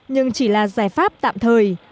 nhưng chỉ là giải pháp tạm thời